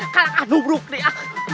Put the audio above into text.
kan akan nubruk dia